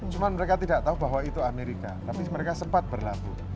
cuma mereka tidak tahu bahwa itu amerika tapi mereka sempat berlabuh